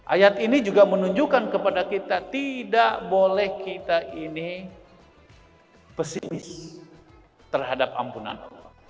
ayat ini juga menunjukkan kepada kita tidak boleh kita ini pesimis terhadap ampunan allah